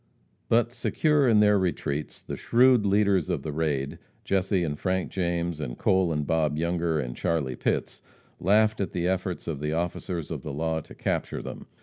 But secure in their retreats, the shrewd leaders of the raid, Jesse and Frank James, and Cole and Bob Younger and Charlie Pitts, laughed at the efforts of the officers of the law to capture them.